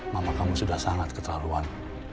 mama kamu sudah sangat keterlaluan